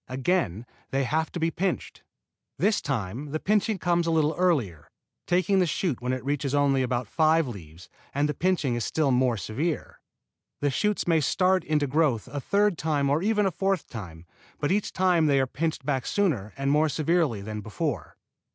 Again they have to be pinched. This time the pinching comes a little earlier, taking the shoot when it reaches only about five leaves and the pinching is still more severe. The shoots may start into growth a third time or even a fourth time, but each time they are pinched back sooner and more severely than before.